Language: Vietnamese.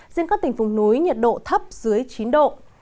riêng các tỉnh vùng núi nhiệt độ thấp dưới chín độ